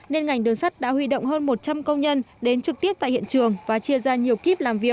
nên ngành đường sắt đã huy động hơn một trăm linh công nhân đến trực tiếp tại hiện trường và chia ra nhiều kíp làm việc